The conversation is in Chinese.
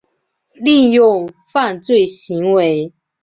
利用犯罪行为